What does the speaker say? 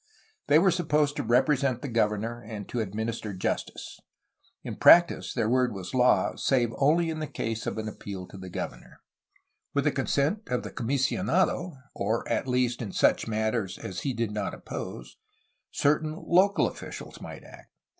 They were supposed to represent the governor and to administer justice. In practice their word was law, save only in the case of an appeal to the governor. With the consent of the comisionado, or at least in such matters as he did not oppose, certain local SPANISH CALIFORNIAN INSTITUTIONS 395 officials might act.